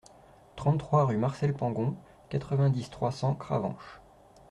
trente-trois rue Marcel Pangon, quatre-vingt-dix, trois cents, Cravanche